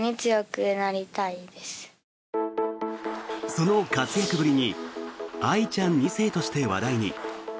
その活躍ぶりに愛ちゃん２世として話題に。